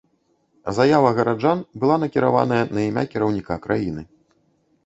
Заява гараджан была накіраваная на імя кіраўніка краіны.